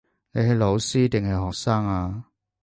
你係老師定係學生呀